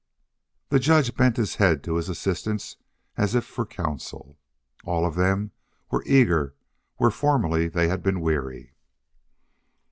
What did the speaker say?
The judge bent his head to his assistants as if for counsel. All of them were eager where formerly they had been weary.